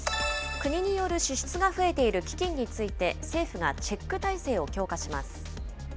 国による支出が増えている基金について、政府がチェック体制を強化します。